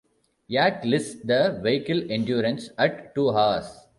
Yak lists the vehicle endurance at two hours.